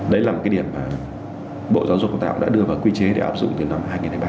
đấy là một cái điểm mà bộ giáo dục và đào tạo đã đưa vào quy chế để áp dụng từ năm hai nghìn hai mươi ba